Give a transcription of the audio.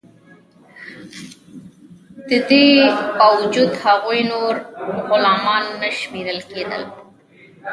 د دې باوجود هغوی نور غلامان نه شمیرل کیدل.